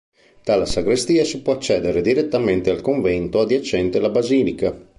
Dalla sagrestia si può accedere direttamente al convento adiacente la basilica.